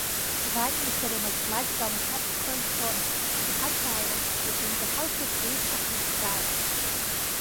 Ваниеи сареи аматематика амаҭәар ҳхы азцон, иҳацааиуан, иахьынӡаҳалшоз ҳҩызцәа ҳрыцхраауан.